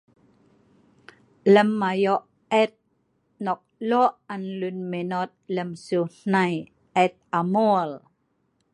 Lem ayo et nok lok an lun minot lem siu hnai, et amul